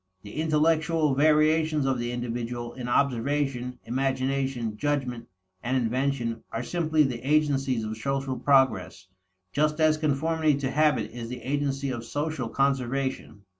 The intellectual variations of the individual in observation, imagination, judgment, and invention are simply the agencies of social progress, just as conformity to habit is the agency of social conservation.